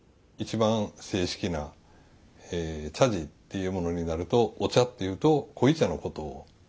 一番正式な茶事っていうものになるとお茶っていうと濃茶のことを指すんです。